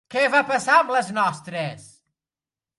Què va passar amb les nostres?